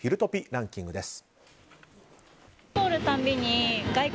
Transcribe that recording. ランキングです。